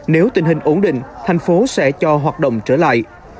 nếu tình hình ổn định thành phố sẽ cho hoạt động trở lại